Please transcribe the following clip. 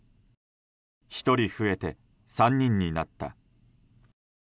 １人増えて、３人になった。